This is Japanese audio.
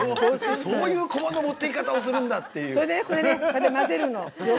そういう駒の持っていき方をするんだっていうね。